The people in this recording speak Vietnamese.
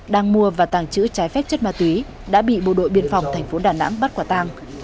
đang mua và tàng trữ trái phép chất ma túy đã bị bộ đội biên phòng thành phố đà nẵng bắt quả tàng